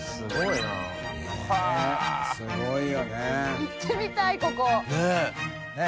行ってみたいここ。ねぇ。